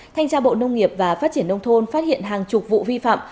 thanh tra bộ nông nghiệp và phát triển nông thôn phát hiện hàng chục vụ vi phạm